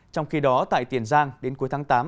trong khi đó tại tiền giang đến cuối tháng tám